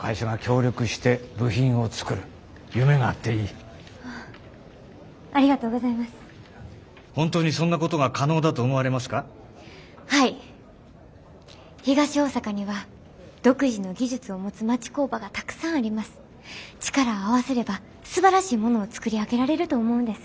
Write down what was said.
力を合わせればすばらしいものを作り上げられると思うんです。